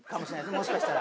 もしかしたら。